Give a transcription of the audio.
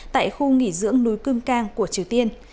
tại khu nghỉ dưỡng núi cơm cang của triều tiên